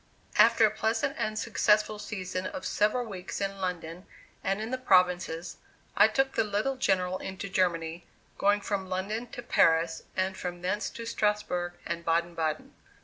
After a pleasant and successful season of several weeks in London and in the provinces, I took the little General into Germany, going from London to Paris and from thence to Strasbourg and Baden Baden.